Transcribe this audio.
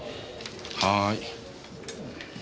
はい。